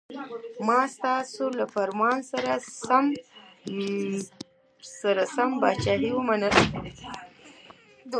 ما ستاسو د فرمان سره سم پاچهي ومنله.